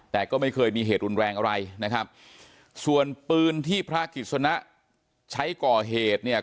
แต่ก็ไม่เคยมีเหตุรุนแรงอะไรนะครับส่วนปืนที่พระกิจสนะใช้ก่อเหตุเนี่ย